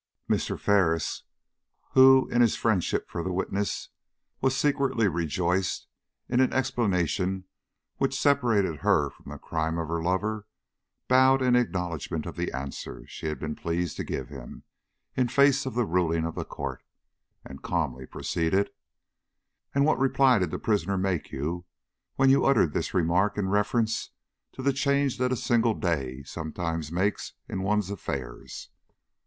Mr. Ferris, who, in his friendship for the witness, was secretly rejoiced in an explanation which separated her from the crime of her lover, bowed in acknowledgment of the answer she had been pleased to give him in face of the ruling of the Court, and calmly proceeded: "And what reply did the prisoner make you when you uttered this remark in reference to the change that a single day sometimes makes in one's affairs?"